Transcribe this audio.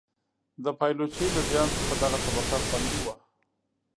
د پایلوچۍ له زیان څخه دغه طبقه خوندي وه.